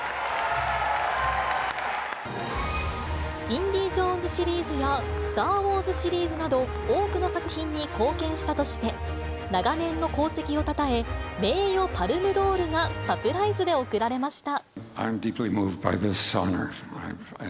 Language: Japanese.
インディ・ジョーンズシリーズやスター・ウォーズシリーズなど、多くの作品に貢献したとして、長年の功績をたたえ、名誉パルムドールがサプライズで贈られました。